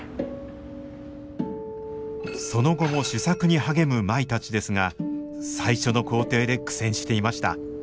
その後も試作に励む舞たちですが最初の工程で苦戦していました。